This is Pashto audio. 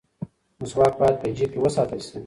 مسواک باید په جیب کې وساتل شي.